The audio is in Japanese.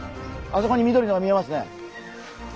あそこに緑のが見えますね。